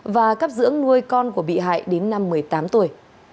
và cấp dưỡng nuôi con của bị hại đến năm một mươi tám tuổi